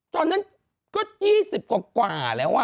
ตอนนั้นก็๒๐กว่าแล้ว